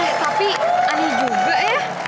eh tapi ada juga ya